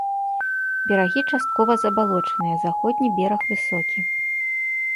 Берагі часткова забалочаныя, заходні бераг высокі.